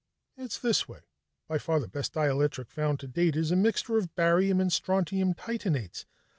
"It's this way. By far the best dielectric found to date is a mixture of barium and strontium titanates.